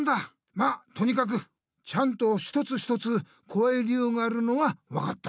まっとにかくちゃんとひとつひとつこわい理由があるのはわかった。